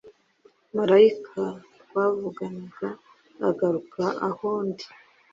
Marayika twavuganaga agaruka aho ndi